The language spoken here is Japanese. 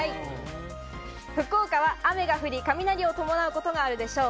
福岡は雨が降り、雷を伴うことがあるでしょう。